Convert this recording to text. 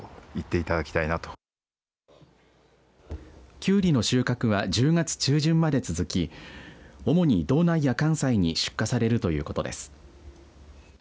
キュウリの収穫は１０月中旬まで続き主に道内や関西に出荷されるということです。